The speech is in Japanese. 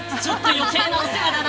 余計なお世話だな。